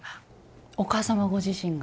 お母様ご自身が。